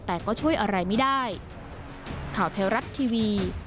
แต่ก็ช่วยอะไรไม่ได้